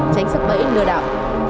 tránh sắc bẫy lừa đảo